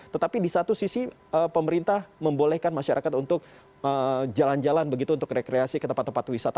tetapi di satu sisi pemerintah membolehkan masyarakat untuk jalan jalan begitu untuk rekreasi ke tempat tempat wisata